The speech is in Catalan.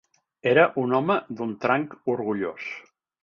Era un home d'un tranc orgullós.